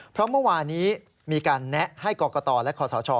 เพราะเมื่อวานี้มีการแนะให้กรกตและคอสช